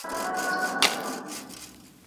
حقيقي عايد په ورو ورو زياتيږي.